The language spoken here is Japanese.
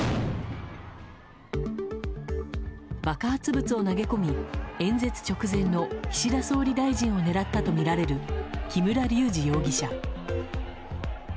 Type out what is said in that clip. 爆発物を投げ込み演説直前の岸田総理大臣を狙ったとみられる木村隆二容疑者。